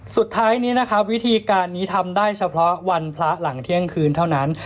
สุดท้ายนี้นะครับวิธีการนี้ทำได้เฉพาะวันพระหลังเที่ยงคืนเท่านั้น